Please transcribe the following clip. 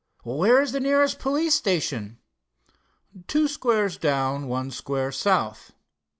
"Where is the nearest police station?" "Two squares down, one square south."